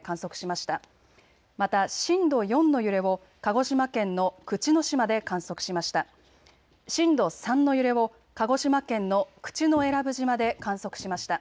また震度４の揺れを鹿児島県の口之島で観測しました。